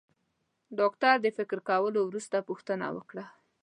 ډاکټر د فکر کولو وروسته پوښتنه وکړه.